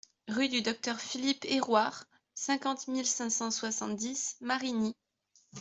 Rue du Docteur Philippe Hérouard, cinquante mille cinq cent soixante-dix Marigny